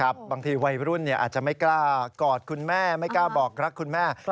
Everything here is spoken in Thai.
บางทีวัยรุ่นอาจจะไม่กล้ากอดคุณแม่ไม่กล้าบอกรักคุณแม่